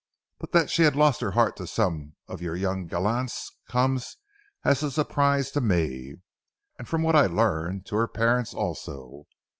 But that she had lost her heart to some of your gallants comes as a surprise to me, and from what I learn, to her parents also.